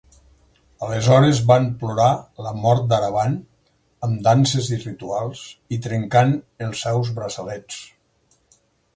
Aleshores, van plorar la mort d'Aravan amb danses rituals i trencant els seus braçalets.